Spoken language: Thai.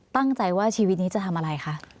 ตั้งใจว่าชีวิตนี้จะทำอะไรคะ